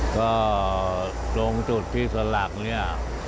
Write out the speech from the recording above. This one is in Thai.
ก็ตรงจุดที่สลักเนี่ย